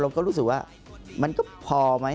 ก็รู้สึกว่ามันก็พอไหม